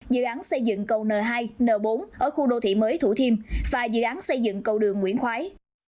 dự án xây dựng cầu n hai n bốn ở khu đô thị mới thủ thiêm và dự án xây dựng cầu đường nguyễn khoái